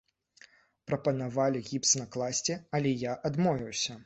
Прапанавалі гіпс накласці, але я адмовіўся.